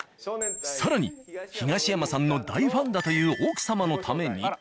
更に東山さんの大ファンだという奥様のために。